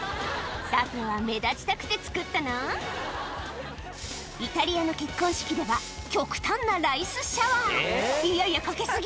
さては目立ちたくて作ったなイタリアの結婚式では極端なライスシャワーいやいやかけ過ぎ！